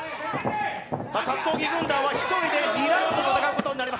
格闘技軍団は１人で２ラウンド戦うことになります。